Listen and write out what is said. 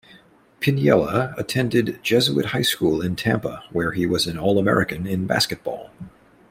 Piniella attended Jesuit High School in Tampa, where he was an All-American in basketball.